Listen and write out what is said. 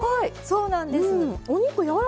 そうなんですよ